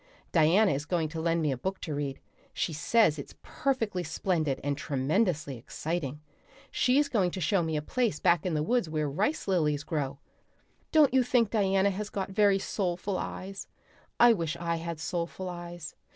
Diana is going to lend me a book to read. She says it's perfectly splendid and tremendously exciting. She's going to show me a place back in the woods where rice lilies grow. Don't you think Diana has got very soulful eyes? I wish I had soulful eyes.